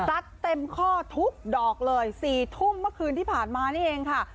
เต็มข้อทุกดอกเลย๔ทุ่มเมื่อคืนที่ผ่านมานี่เองค่ะ